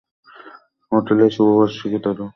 হোটেলের শুভ বার্ষিকী, দাদু!